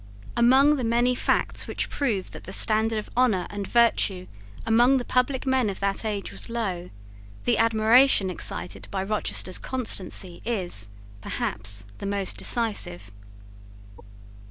Among the many facts which prove that the standard of honour and virtue among the public men of that age was low, the admiration excited by Rochester's constancy is, perhaps, the most decisive.